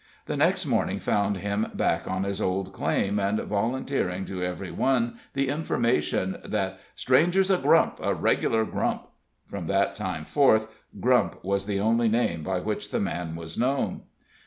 The next morning found him back on his old claim, and volunteering to every one the information that "stranger's a grump a reg'lar grump." From that time forth "Grump" was the only name by which the man was known.